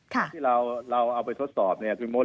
ถ้าที่เราเอาไปทดสอบ